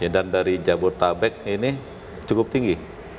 dan dari jabodetabek ini cukup tinggi